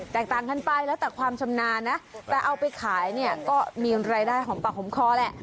แตกต่างกันไปแล้วแต่ความชำนาญนะแต่เอาไปขายเนี่ยก็มีรายได้หอมปากหอมคอแหละ